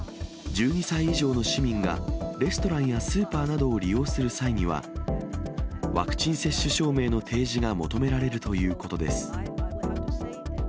１２歳以上の市民がレストランやスーパーなどを利用する際には、ワクチン接種証明の提示が求められるということです。